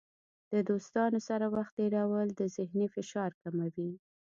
د دوستانو سره وخت تیرول د ذهني فشار کموي.